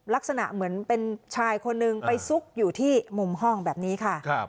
ลักษณะเหมือนเป็นชายคนนึงไปซุกอยู่ที่มุมห้องแบบนี้ค่ะ